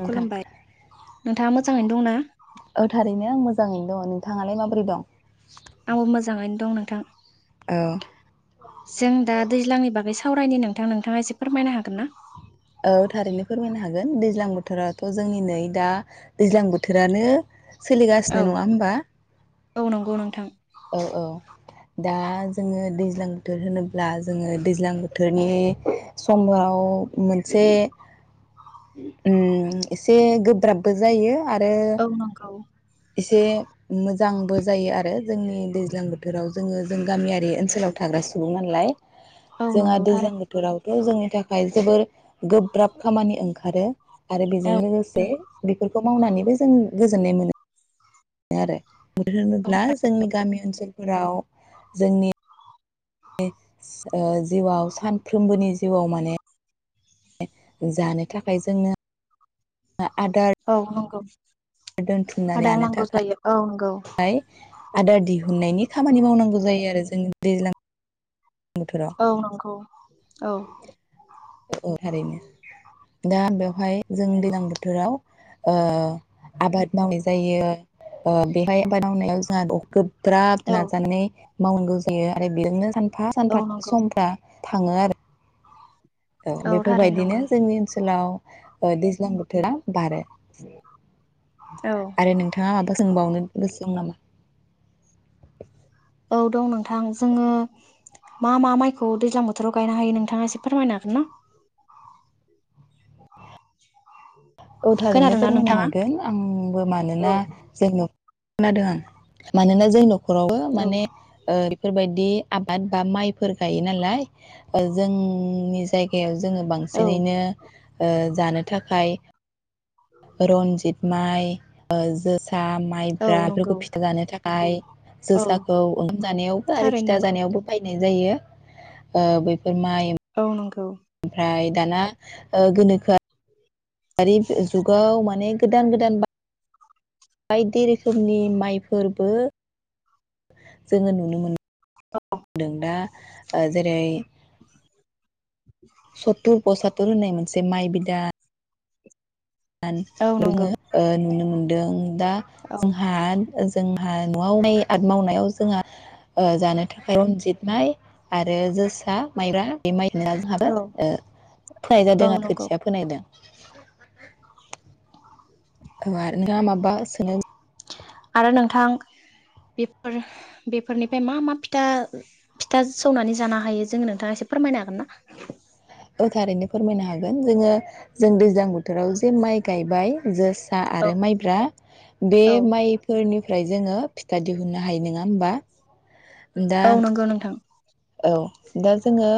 नोंथां खुलुमबाय नोंथाङा मोजाङैनो दंना? जाङैनो दङ नोंथाङालाय माब्रै दं? आंबो मोजाङैनो दं नोंथां। औ जों दा दैज्लांनि बागै सा सावरायनि नोंथां नोंथाङा एसे फोरमायनो हागोन ना? गोन दैज्लां बोथोराथ' जोंनि नै दा दैज्लां बोथोरानो औ सोलिगासिनो नङा होमबा? औ नंगौ नोंथां। औ औ दा जोङो दैज्लां बोथोर होनोब्ला जोङो दैज्लां बोथोरनि समाव मोनसे उम एसे गोब्राबबो जायो। आरो औ नंगौ। एसे मोजांबो जायो आरो जोंनि दैज्लां बोथोराव जोङो जों गामियारि ओनसोलाव थाग्रा सुबुं नालाय। औ जोंहा नंगौ दैज्लां थारैनो नंगौ बोथोरावथ' जोंनि थाखाय जोबोर गोब्राब खामानि ओं खारो आरो औ बेजों लोगोसे बिफोरखौ मावनानैबो जों गोजोननाय मोनो आरोे मोन होनोब्ला जोंनि गामि ओनसोल फोराव जोंनि [inaudible] ओ जिउआव सानफ्रोमबोनि जिउआव माने [inaudible] जानो थाखाय जोंनो आदार औ नोंगौ। [inaudible] आदार नांगौ जायो औ नंगौ। आय आदार दिहुननायनि खामानि मावनांगौ जायो आरो जों दैज्लां बोथोराव औ नंगौ। औ। अ अ थारैनो दा बेयाव हाय जों दैज्लां बोथोराव ओ आबाद मावनाय जायो ओ बेहाय आबाद मावनायाव जोंहा [unintelligible] गोब ब्राब औ नाजाने मावनांगौ जायो आरो बेनिनो सान फा औ सानफा नंगौ समफ्रा थाङो आरो। औ थारैनो बेफोरबायदिनो नंगौ जोंनि ओनसोलाव ओ दैज्लां बोथोरा बारो। औ आरो नोंथाङा माबा सोंबावनो? [unintelligible] औ दं नोंथां जोङो मा-मा माइखौ दैज्लां बोथोराव गायनो हायो नोंथाङा एसे फोरमायनो हागोन ना? औ थारैनो खोनादोंना फोरमायनो नोंथाङा? हागोन आंबो औ मानोना जोंयो खोनादों आं मानोना जों न' खरावबो औ माने ओ बेफोरबाय दि आबाद बा माइफोर गायो नालाय ओ जोंनि जायगायाव जोङो औ बांसिनैनो ओ जानो थाखाय रनजित माइ ओ जोसा आ औ माइब्रा बेफोरखौ नंगौ फिथा जानो थाखा आय औ जोसाखौ ओंखाम जानायावबो आरो थारैनो फिथा नंगौ जानायावबो बाय यनाय जायो ओ बैफोर माइ औ नंगौ । बाय दाना ओ गोनोखोआ गारिब जुगाव माने गोदान गोदान बा बायदि रोखोमनि माइफोरबो जोङो नुनो मोन दों दा ओ जेरै सत्तुर पसात्तुर होननाय मोनसे माइ बिदा आन औ नंगौ बुङो ओ नुनो मोन दों दा औ जोंहा जोंहा न'आवै आथ मावनायाव जोंहा ओ जानो थाखाय रनजित माइ आरो जोसा माइरा बे माइ फेला औ जोंहाबो ओ फोनाय औ जादों ओ नंगौ खोथिया फोनायदों [unintelligible] औ आरो नोंहा माबा सोनो आरो नोंथां बेफोर-बेफोरनिफाय मा मा फिथा फिथा सौनानै जानो हायो जोङो नोंथाङा एसे फोरमायनो हागोनना? ओ थारैनो फोरमायनो हागोन जोङो जों दैज्लां बोथोराव जे माइ गायबाय जास्ट आ औ आरो माइब्रा बे औ माइफोरनि फ्राय जोङो फिथा दिहुननो हायो नोङा होमबा दा औ नोंगो नोंथां औ दा जोङो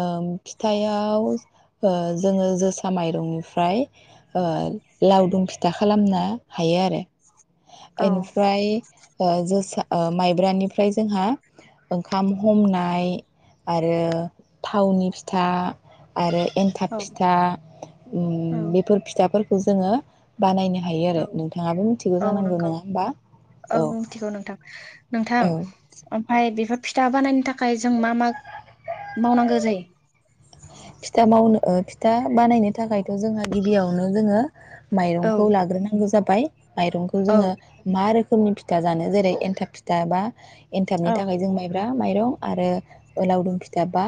ओम फिथायाव ओ जोङो जोसा माइरंनिफ्राय ओ लावदुम फिथा खालामना हायो आरो औ एनिफ्राय बा जोसा ओ माइब्रानिफ्राय जोंहा ओंखाम हमना आय आरो थावनि फिथा आरो एन्थाब औ फिथा औ ओम बेफोर फिथाफोर खौ जोङो बानायनो हायो औ आरो नोंथाङाबो मिथिगौ औ जानांगौ नंगौ नङा होमबा औ मिथिगौ नोंथां नोंथां औ ओमफ्राय बेफोर फिथा बानायनो थाखाय जों मा मा मावनांगो जायो फिथा मावनो ओ फिथा बानायनो थाखायथ' जोंहा गिबियावनो जोङो औ माइरंखौ लाग्रोनांगौ जाब बाय माइरंखौ औ जोङो मा रो खोमनि फिथा जानो जेरै एन्थाब फिथा बा एन्थाबनि औ थाखाय जों माइब्रा माइरं आरो ओ लावदुम फिथाब बा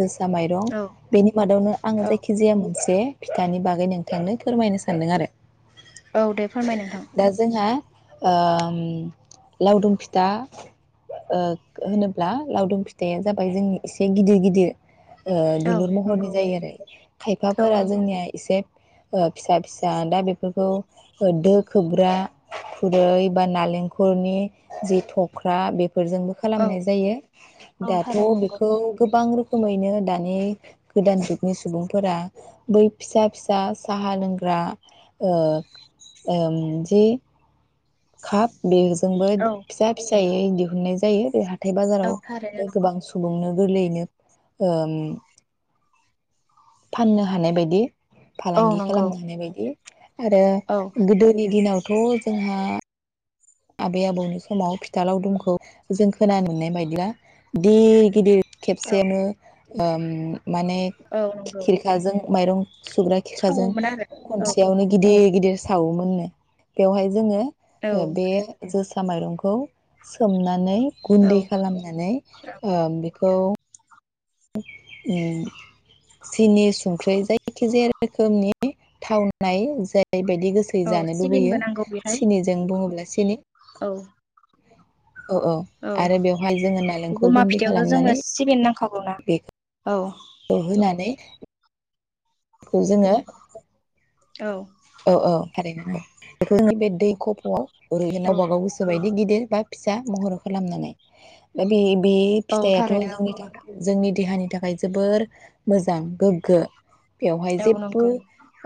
जोसा माइ औ बेनि मादावनो आङो औ जायखिजाया मोनसे ए फिथानि बागै नोंथांनो फोरमायनो सानदों आरो औ दे फोरमाय नोंथां दा जोंहा ओम लावदुम फिथा ओ होनोब्ला लावदुम फिथाया जाबाय जोंनि एसे गिदिर गिदिर, औ दुलुर महरनि नंगौ जायो आरो औ खायफाफोरा नंगौ जोंनिया एसे ओ फिसा फिसा दा बेफोरखौ दो खोबग्रा खुरै बा नालेंखलनि जि थख्रा बे फोरजोंबो औ खालामनाय जायो औ दाथ' थारैनो नंगौ बेखौ गोबां रो खोमैनो दानि गोदान जुगनि सुबुंफोरा बै फिसा फिसा साहा लोंग्रा ओ ओं जि खाब बे जोंबो औ फिसा फिसायै दिहुननाय जायो बे हा थाय औ बाजाराव ओ थारैनो गोबां सुबुंनो गोरलैयैनो ओम फाननो हानाय बायदि औ फालांगि नंगौ खालामनो हानाय बायदि आरो औ गोदोनि दिनाव थ' जोंहा आबै आबौनि समाव फिथा लावदुमखौ जों खोनानो मोननाय बायदिब्ला दे गिदिर औ खेबसेनो, ओं माने औ नंगौ खिरखाजों माइरं सुग्रा खिरखाजों सावोमोन आरो औ खनसेयावनो गिदिर, गिदिर सावोमोननो बेवहाय जोङो, ओ बे औ जोसा माइरंखौ सोमना, नै गुन्दै औ खालामनानै ओ बे दौ [unintelligible] उम सिनि संख्रै जायखिजाया रोखोमनि थावनाय जाय ओरैबायदि गोसोयै औ जानो लुबैयो सिबिनबो नांगौ बेहाय सिनिजों बुङोब्ला सिनि औ औ औ आरो बेवहाय जोङो नालेंखर गमा गुन्दै फिथाइयावथ' जोंनो खालामनानै सिबिन नांखागौना बे औ होनानै, खौ जोङो औ औ औ थारैनो ओं बेखौ जों दै खफ'आव [unintelligible] औ गावबा गाव गोसो बायदि बि गिदिर बा फिसा महर खालामनानै। दा बे बे औ फिथाइयाथ' थारैनो जोंनि नंगौ थाखाय जोंनि देहानि थाखाय जोबोर मोजां गोग्गो। बेवहाय औ जेब्बो नंगौ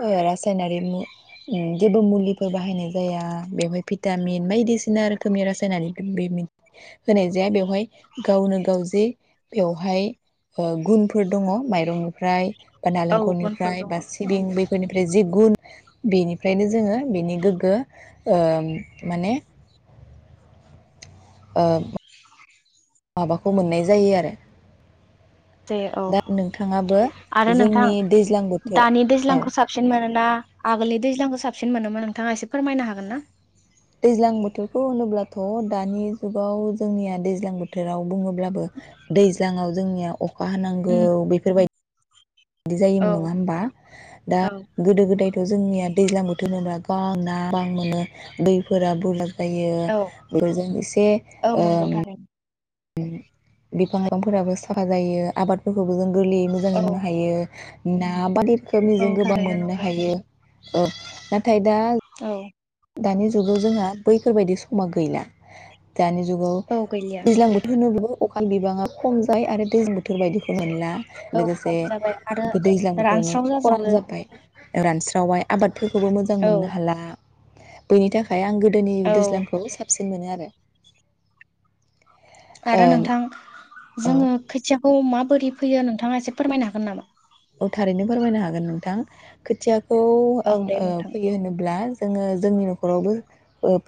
ओ रा सायनारि मु उम जेबो मुलि फोर बाहायनाय जाया बेबाय भिटामिन बायदिसिना रोखोमनि रासायारि होनाय जाया बेवहाय गावनो गाव जे बेवहाय ओ गुनफोर दङ माइरंनिफ्राय बा औ बनफोर नालेंखलनिफ्राय दङ बा औ सिबिं बेफोरनिफ्राय जि गुन बेनिफ्रायनो जोङो बिनि गोग्गो ओं माने ओं माबाखौ मोननाय जायो आरो जे औ दा नोंथाङाबो आरो नोंथां जोंनि दैज्लां बोथोर दानि औ दैज्लांखौ साबसिन मोनोना आगोलनि दैज्लांखौ साबसिन मोनोमोन नोंथाङा एसे फोरमायनो हागोन ना? दैज्लां बोथोरखौ होनोब्लाथ' दानि जुगाव जोंनिया दैज्लां बोथोराव बुङो ब्लाबो दैज्लांआव जोंनियाव अखा हानांगौ उम बैफोरबाय दि औ जायोमोन। नङा होमबा? दा औ गोदो गोदाय जोंनिया दैज्लां बोथोरोबा [unintelligible] बां ना [unintelligible] बां मोनो दैफोरा बुरलाब ओमफ्रायो औ बे [unintelligible] जों एसे औ ओ नंगौ थारैनो बिफां लाइफांफोराबो साफा जायो आबादफोरखौबो गोरलैयै मोजाङै औ मोननो हायो। ना बादि औ रोखोमनिजों गोबां थारैनो मोननो नंगौ हायो। औ खायदा औ दानि जुगाव जोंहा बैफोरबायदि समा गैला। दानि जुगाव औ गैलिया दैज्लां बोथोर [unintelligible] होनो [unintelligible] अखानि बिबाङा खम जाय आरो दैज्लां बोथोर बायदिखौ मोनला । औ लोगोसे खम जाबाय आरो दैज्लां बोथोरावनो रानस्राव खरान जाजोबो जाबाय रानस्रि दावाय आबाद फोरखौबो मोजां औ मोननो हाला। बेनि थाखाय आं गोद गोदोनि औ दैज्लांखौ साबसिन मोनो आरो बे [unintelligible] आरो नोंथां ओ औ जोङो खोथियाखौ माबोरै फैयो नोंथाङा एसे फोरमायनो हागोन नामा? औ थारैनो फोरमायनो हागोन नोंथां खोथिया औ औ आं दे ओ नोंथां फैयो होनोब्ला जोङो जोंनि न'खरावबो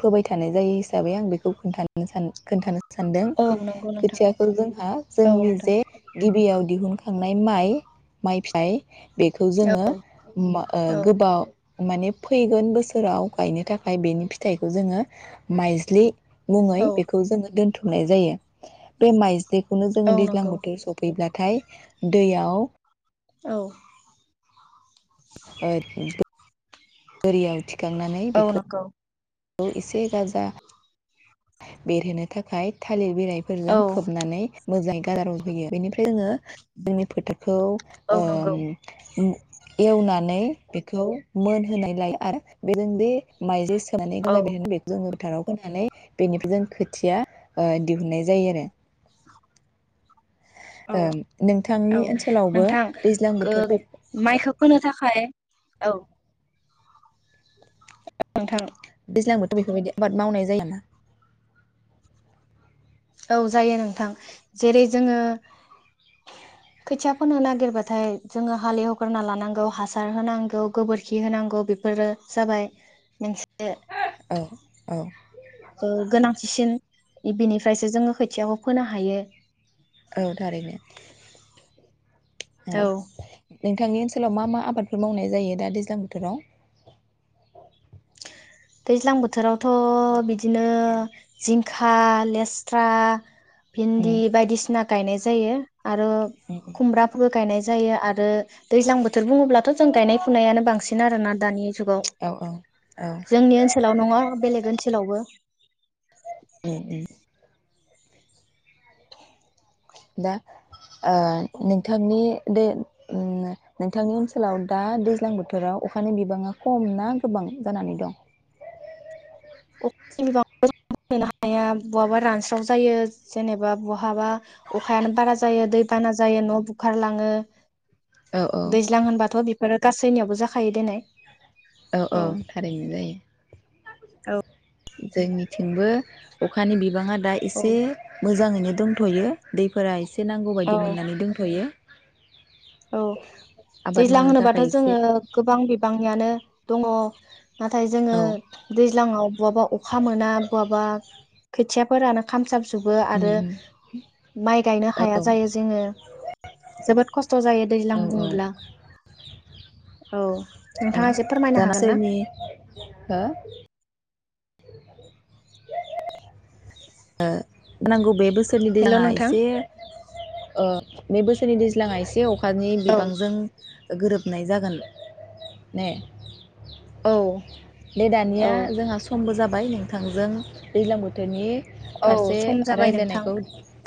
फोबाय थानाय जायो हिसाबै आं बेखौ खोन्थानो सान खोन्थानो स सानदों औ नंगौ नोंथां खोथियाखौ जोंहा औ जोंनि नोंथां जे गिबियाव दिहुनखांनाय माइ माइफ्राय [unintelligible] बेखौ जोङो ओ औ गोबाव माने फैगोन बोसोराव गायनो थाखाय बेनि फिथाइखौ जोङो माइज्लि मुङै औ बेखौ जोङो दोनथ' नाय जायो बे माइ बेखौनो औ जोङो दैज्लां नंगौ बोथोर सफैब्ला नाथाय दैयाव औ [inaudible] बोरै आथि [inaudible] खांनानै औ बेखौ नंगौ औ इसे गाजा बेरहोनो थाखाय थालिर बिलायफोरजों औ खोबनानै मोजाङै गा [inaudible] होयो बेनिफ्राय जोङो जोंनि फोथार खौ औ ओम नंगौ एवनानै बेखौ मोनहोनाय लायो आरो बे जोंदि माइ [inaudible] फोनानै औ गाजा बेरहोना [inaudible] फोथाराव फोनानै बेनिफ्राय जों खोथिया दिहुननाय जायो आरो औ ओम औ नोंथांनि ओनसोलावबो नोंथां दैज्लां बोथोर माइखौ फोनो थाखाय औ नोंथां दैज्लांआवथ' बेफोरबायदि आबाद मावनाय जायो ना औ जायो नोंथां जेरै जोङो खोथिया फोनो नागिरबाथाय जोङो हालेवग्रोना लानांगौ हासार होनांगौ गोबोरखि होनांगौ बेफोरो जाबाय औ औ ओ गोनांथिसिन बिनिफ्रायसो जोङो खोथियाखौ फोनो हायो औ थारैनो औ नोंथांनि ओनसोलाव मा मा आबादफोर मावनाय जायो दा दैज्लां बोथोराव दैज्लां बोथोरावथ' बिदिनो जिंखा लेस्रा उम भिन्दि बायदिसिना गायनाय जायो आरो उम खुमब्रा गायनाय जायो आरो दैज्लां बोथोर बुङोब्लाथ' जों गायनाय फुनायानो बांसिन [inaudible] जुगाव औ औ औ जोंनि ओनसोलाव नङा बेलेग ओनसोलावबो उम उम दा ओ नोंथांनि दे नोंथांनि ओनसोलाव दा दैज्लां बोथोराव अखानि बिबांङा खम ना गोबां जानानै दं अ [unintelligible] नो हाया बहाबा रानस्राव जायो जेनेबा बहाबा अखायानो बारा जायो दै बाना जायो न' बुखारलाङो औ औ दैज्लां होनबाथ' बि फोरो गासैनियावबो जाखायो दनै औ औ थारैनो जायो जोंनिथिंबो अखानि बिबांङा दा औ एसे मोजांङैनो दंथ'यो दैफोरा एसे एसे नांगौ औ बायदि मोननानै दोनथ'यो औ आबाद दैज्लां मावनो होनोबाथ' थाखाय एसे जोंङो गोबां बिबांनियानो दङ नाथाय जोनङो औ दैज्लाङाव बहाबा अखा मोना बहाबा खोथियाफोरानो खामसाम जोबो आरो उम माइ गायनो हाया उम जायो जोंङो जोबोद खस्थ जायो दैज्लां औ औ बुंङोब्ला औ नोंथाङा एसे फोरमायनो दाना हागोन ना सोरनि हो औ ओ नांगौ बेबो हेल' [unintelligible] नोंथां एसे बे बोसोरनि दैज्लांङा एसे अखा अखानि औ बिबांजों गोरोबनाय जागोन ने औ। दे दानिया औ जोंहा समबो जाबाय। माय नोंथांजों दैलां बोथोरनि औ फारसे सम जाबाय नोंथां रायज्लायनायखौ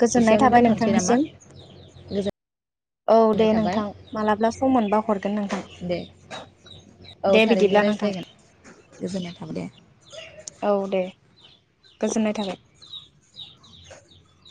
गोजोननाय थाबाय दोन्थ'नोसै नामा नोंथांनिसिम गोजोन। औ दे नोंथां मालाबा सम मोनबा हरगोन दे नोंथां औ दे थारैनो बिदिब्ला नोंथां। औ। औ दे। गोजोननाय थाबाय। [inaudible]